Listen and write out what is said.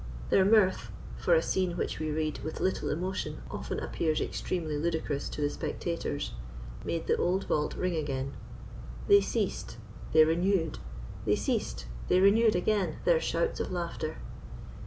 Their mirth—for a scene which we read with little emotion often appears extremely ludicrous to the spectators—made the old vault ring again. They ceased—they renewed—they ceased—they renewed again their shouts of laughter!